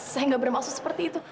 saya nggak bermaksud seperti itu